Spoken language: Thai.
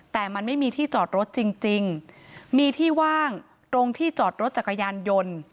แต่มันไม่มีที่จอดรถจริงจริงมีที่ว่างตรงที่จอดรถจักรยานยนต์